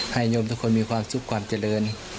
ยมทุกคนมีความสุขความเจริญ